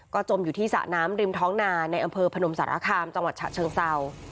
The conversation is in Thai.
จมอยู่ที่สระน้ำริมท้องนาในอำเภอพนมสารคามจังหวัดฉะเชิงเศร้า